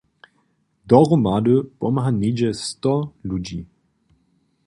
Dohromady pomha něhdźe sto ludźi.